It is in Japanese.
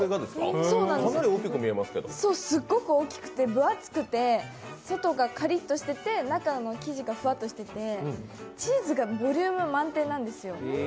すっごく大きくて分厚くて外がカリッとしてて中の生地がふわっとしてて、チーズがボリューム満点なんですよ。